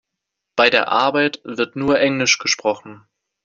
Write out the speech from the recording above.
Bei der Arbeit wird nur Englisch gesprochen.